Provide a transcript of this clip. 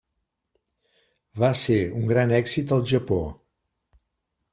Va ser un gran èxit al Japó.